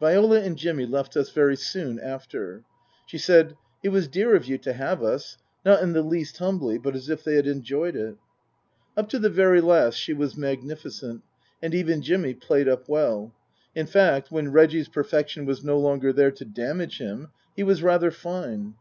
Viola and Jimmy left us very soon after. She said, " It was dear of you to have us," not in the least humbly, but as if they had enjoyed it. Up to the very last she was magnificent, and even Jimmy played up well. In fact, when Reggie's perfection was no longer there to damage him he was rather fine.